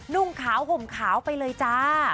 นุ่งขาวห่มขาวไปเลยจ้า